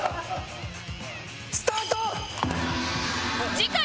スタート！